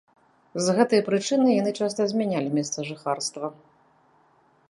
З гэтай прычына яны часта змянялі месца жыхарства.